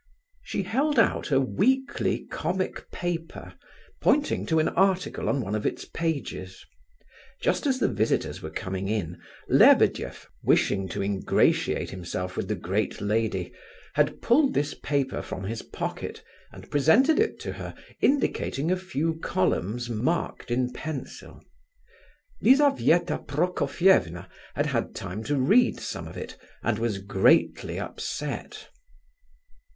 She held out a weekly comic paper, pointing to an article on one of its pages. Just as the visitors were coming in, Lebedeff, wishing to ingratiate himself with the great lady, had pulled this paper from his pocket, and presented it to her, indicating a few columns marked in pencil. Lizabetha Prokofievna had had time to read some of it, and was greatly upset.